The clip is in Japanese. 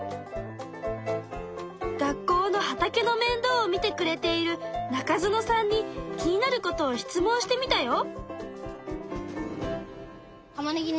学校の畑の面倒を見てくれている中園さんに気になることを質問してみたよ。